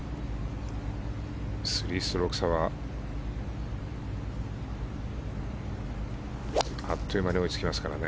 ３ストローク差はあっという間に追いつきますからね。